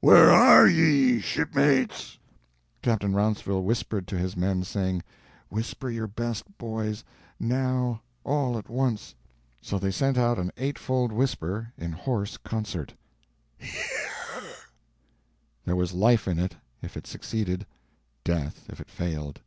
Where are ye, shipmates?" Captain Rounceville whispered to his men, saying: "Whisper your best, boys! now all at once!" So they sent out an eightfold whisper in hoarse concert: "Here!", There was life in it if it succeeded; death if it failed.